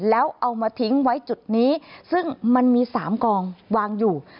แล้วเอามาทิ้งไว้จุดนี้ซึ่งมันมี๓กองวางอยู่